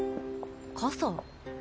傘？